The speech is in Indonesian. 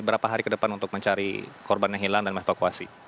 berapa hari ke depan untuk mencari korban yang hilang dan mengevakuasi